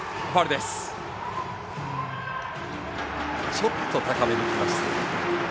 ちょっと高めにきました。